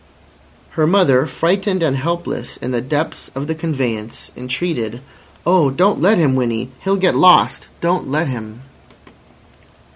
Her mother, frightened and helpless in the depths of the conveyance, entreated: "Oh, don't let him, Winnie. He'll get lost. Don't let him."